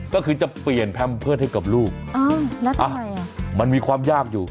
ก็คือจะเปลี่ยนแพมเพิร์ตให้กับลูกแล้วทำไมอ่ะมันมีความยากอยู่